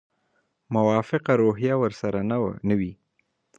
موافقه روحیه ورسره نه وي.